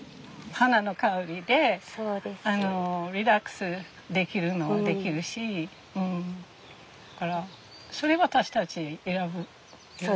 花の香りでリラックスできるのはできるしだからそれ私たち選ぶよね。